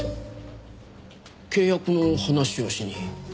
契約の話をしに。